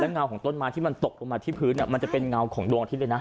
เงาของต้นไม้ที่มันตกลงมาที่พื้นมันจะเป็นเงาของดวงอาทิตย์เลยนะ